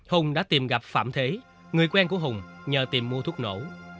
hùng đã tìm gặp phạm thế người quen của hùng nhờ tìm mua thuốc nổ